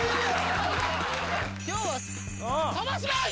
今日は飛ばします！